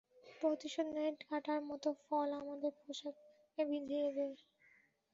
প্রতিশোধ নেয় কাঁটার মতো ফল আমাদের পোশাকে বিঁধিয়ে দিয়ে।